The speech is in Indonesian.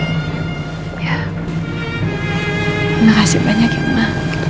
terima kasih banyak ya emma